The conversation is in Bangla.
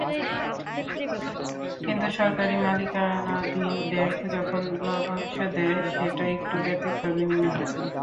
কিন্তু সরকারি মালিকানাধীন ব্যাংক যখন লভ্যাংশ দেয়, সেটা একটু ব্যতিক্রমই মনে হয়।